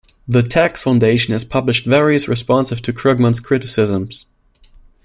The Tax Foundation has published various responses to Krugman's criticisms.